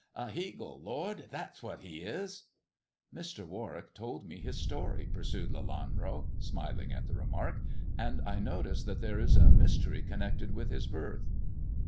A heagle, lord. That's what he is." it 134 THE dwarf's chamber " Mr. Warwick told me his story," pursued Lelanro, smiling at the remark, ''and I notice that there is a mystery connected with his birth."